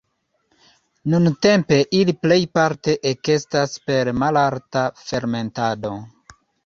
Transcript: Nuntempe ili plejparte ekestas per malalta fermentado.